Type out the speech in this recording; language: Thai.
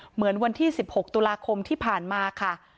เหมือนวันที่๑๖ตุลาคมที่ผ่านมาค่ะ